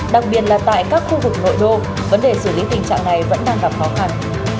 đặc biệt là tại các khu vực nội đô vấn đề xử lý tình trạng này vẫn đang gặp khó khăn